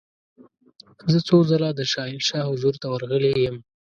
زه څو ځله د شاهنشاه حضور ته ورغلې یم.